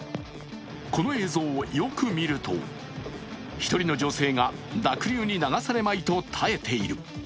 この映像をよく見ると１人の女性が濁流に流されまいと耐えている。